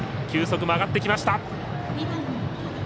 球速も上がってきました。